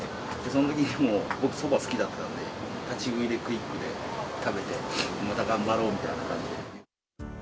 そのときにもう、僕、そば好きだったので、立ち食いでクイックで食べて、また頑張ろうみたいな感じで。